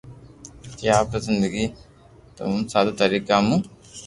جي آپري زندگي تموم سادا طريقا مون